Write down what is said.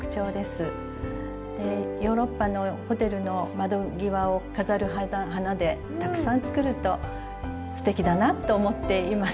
ヨーロッパのホテルの窓際を飾る花でたくさん作るとすてきだなっと思っていますが。